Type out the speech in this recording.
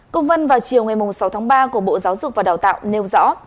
công văn vào chiều ngày sáu tháng ba của bộ giáo dục và đào tạo nêu rõ